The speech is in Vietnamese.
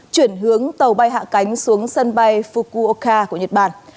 chuyển hướng tàu bay hạ cánh xuống sân bay fukuoka của nhật bản